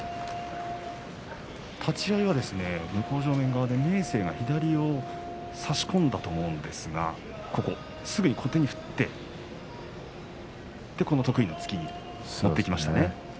立ち合いは向正面側で明生が左を差し込んだと思うんですがすぐに小手に振ってこの得意の突きに持っていきましたね。